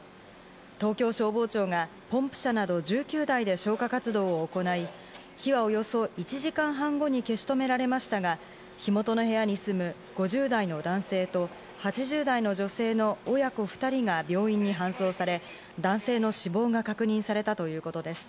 東京消防庁がポンプ車など１９台で消火活動を行い、火はおよそ１時間半後に消し止められましたが、火元の部屋に住む５０代の男性と８０代の女性の親子２人が病院に搬送され、男性の死亡が確認されたということです。